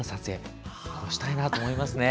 こうしたいなと思いますね。